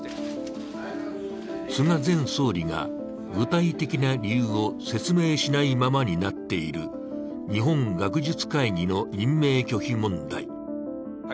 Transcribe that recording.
菅前総理が具体的な理由を説明しないままになっている日本学術会議の任命拒否問題。